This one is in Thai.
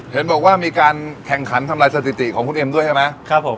เห็นบอกว่ามีการแข่งขันทำลายสถิติของคุณเอ็มด้วยใช่ไหมครับผม